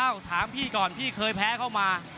สวัสดีครับ